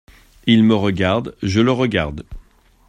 Il me regarde, je le regarde…